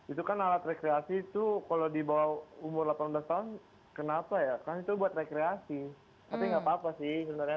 itu kan alat rekreasi itu kalau di bawah umur delapan belas tahun kenapa ya kan itu buat rekreasi tapi nggak apa apa sih sebenarnya